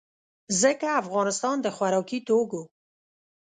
ځکه افغانستان د خوراکي توکو